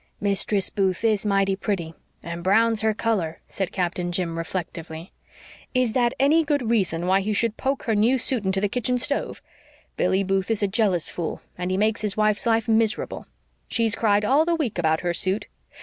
"Mistress Booth IS mighty pretty, and brown's her color," said Captain Jim reflectively. "Is that any good reason why he should poke her new suit into the kitchen stove? Billy Booth is a jealous fool, and he makes his wife's life miserable. She's cried all the week about her suit.